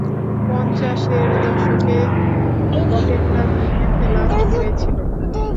পঞ্চাশের দশকে হোটেলটা ভেঙে ফেলা হয়েছিল।